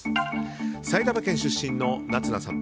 埼玉県出身の夏菜さん。